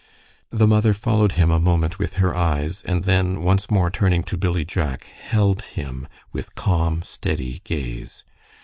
The mother followed him a moment with her eyes, and then once more turning to Billy Jack, held him with calm, steady gaze.